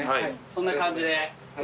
そんな感じで。